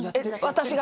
私が？